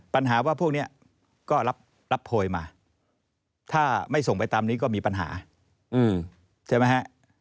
ปัญหาว่าพวกนี้ก็รับโพยมาถ้าไม่ส่งไปตามนี้ก็มีปัญหาใช่ไหมฮะ